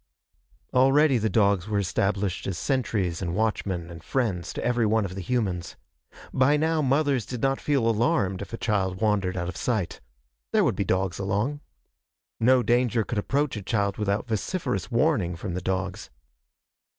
Already the dogs were established as sentries and watchmen and friends to every one of the humans. By now mothers did not feel alarmed if a child wandered out of sight. There would be dogs along. No danger could approach a child without vociferous warning from the dogs.